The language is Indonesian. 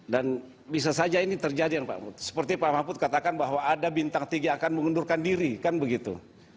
dan bisa saja ini terjadi seperti pak mahfud katakan bahwa ada bintang tinggi akan mengundurkan diri kan begitu